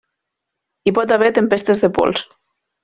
Hi pot haver tempestes de pols.